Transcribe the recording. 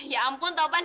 ya ampun topan